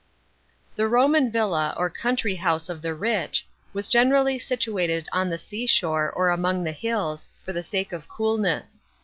*§ 11. The Roman villa, or country house of the rich, was generally situated on the seashore or among the hills, for the sake of coolness.